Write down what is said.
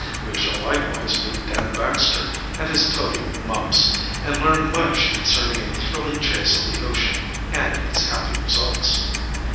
We shall likewise meet Dan Baxter and his toady Mumps, and learn much concerning a thrilling chase on the ocean and its happy results.